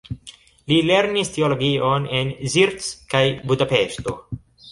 Li lernis teologion en Zirc kaj Budapeŝto.